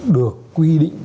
được quy định